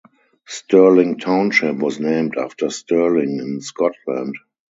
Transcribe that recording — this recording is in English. Sterling Township was named after Stirling, in Scotland.